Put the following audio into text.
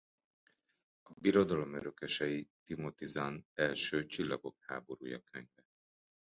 A Birodalom örökösei Timothy Zahn első Csillagok háborúja könyve.